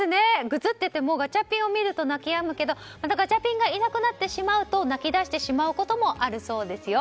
ぐずっててもガチャピンを見ると泣き止むけどガチャピンがいなくなってしまうと泣き出してしまうこともあるそうですよ。